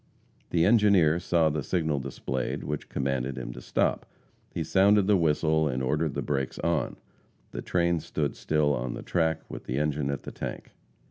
The engineer saw the signal displayed which commanded him to stop. He sounded the whistle and ordered the brakes on. The train stood still on the track, with the engine at the tank.